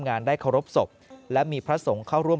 งานได้เคารพศพและมีพระสงฆ์เข้าร่วม